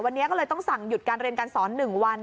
วันนี้ก็เลยต้องสั่งหยุดการเรียนการสอน๑วัน